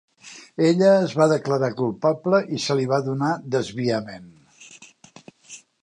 Ella es va declarar culpable i se li va donar desviament.